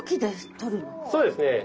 そうですね。